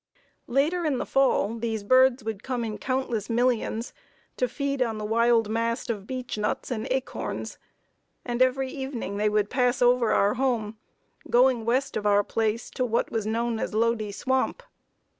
Later in the fall these birds would come in countless millions to feed on the wild mast of beech nuts and acorns, and every evening they would pass over our home, going west of our place to what was known as Lodi Swamp.